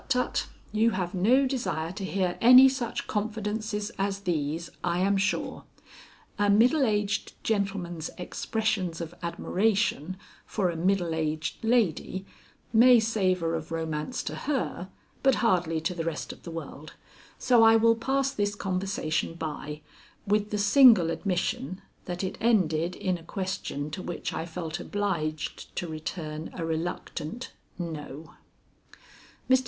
tut! you have no desire to hear any such confidences as these, I am sure. A middle aged gentleman's expressions of admiration for a middle aged lady may savor of romance to her, but hardly to the rest of the world, so I will pass this conversation by, with the single admission that it ended in a question to which I felt obliged to return a reluctant No. Mr.